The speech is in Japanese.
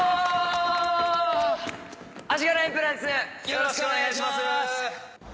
よろしくお願いします。